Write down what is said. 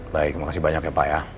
baik makasih banyak ya pak ya